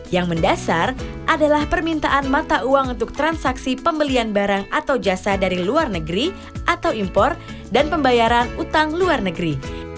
yang mendasar adalah permintaan mata uang untuk transaksi pembelian barang atau jasa dari luar negeri atau impor dan pembayaran utang luar negeri